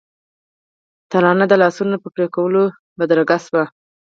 ترانه د لاسونو په پړکولو بدرګه شوه.